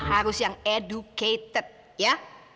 harus yang educated ya